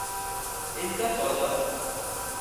ان کا سودا؟